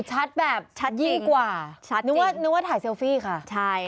ชัดแบบยี่กว่านึกว่าถ่ายเซลฟี่ค่ะชัดจริงชัดจริง